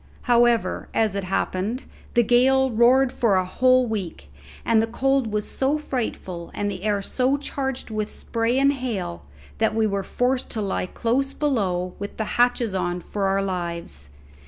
However, as it happened, the gale roared for a whole week, and the cold was so frightful and the air so charged with spray and hail that we were forced to lie close below with the hatches on for our lives.